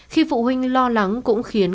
khi phụ huynh lo lắng cũng khiến